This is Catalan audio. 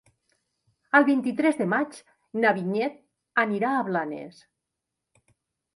El vint-i-tres de maig na Vinyet anirà a Blanes.